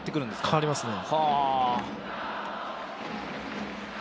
変わりますね。